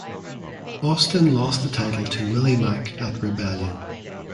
Austin lost the title to Willie Mack at Rebellion.